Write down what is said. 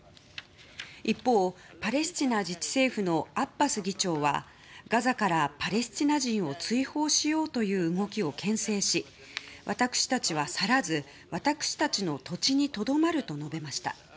一方、パレスチナ自治政府のアッバス議長はガザからパレスチナ人を追放しようという動きを牽制し私たちは去らず、私たちの土地にとどまると述べました。